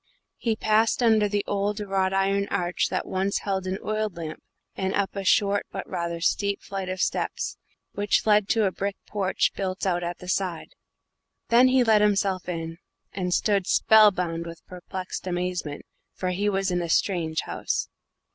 He passed under the old wrought iron arch that once held an oil lamp, and up a short but rather steep flight of steps, which led to a brick porch built out at the side. Then he let himself in, and stood spellbound with perplexed amazement, for he was in a strange house.